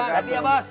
nanti ya bos